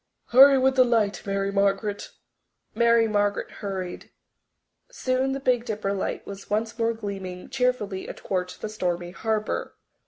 Hurry with the light, Mary Margaret." Mary Margaret hurried. Soon the Big Dipper light was once more gleaming cheerfully athwart the stormy harbour.